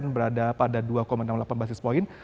berada pada dua enam puluh delapan basis point